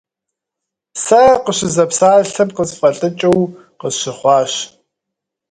Сэ къыщызэпсалъэм къысфӀэлӀыкӀыу къысщыхъуащ.